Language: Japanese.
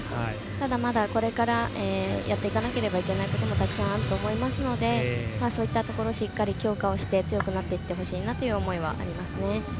ただ、まだこれからやっていかなければいけないことたくさんあると思いますのでそういったところをしっかり強化をして強くなっていってほしいなという思いはありますね。